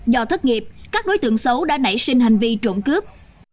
do thất nghiệp các đối tượng xấu đã nảy sinh hành vi trộm cướp